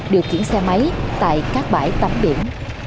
điều khiển xe máy tại các bãi tắm biển